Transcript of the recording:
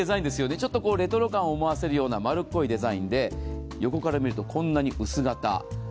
ちょっとレトロ感を思わせるような丸っこいデザインで、横から見るとこんなに薄型。